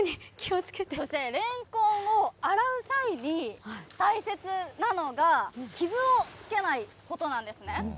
レンコンを洗う際に大切なのが、傷をつけないことなんですね。